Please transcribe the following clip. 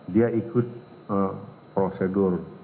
dia ikut prosedur